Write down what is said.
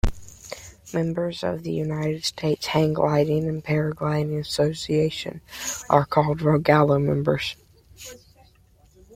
Members of the United States Hang Gliding and Paragliding Association, are called "Rogallo" members.